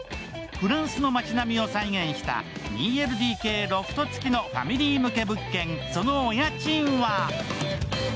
フランスの町並みを再現した２ＬＤＫロフト付きのファミリー向け物件、そのお家賃は？